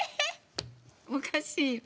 おかしい。